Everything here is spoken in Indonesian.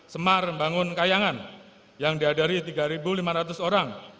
semar bangun kayangan yang dihadiri tiga lima ratus orang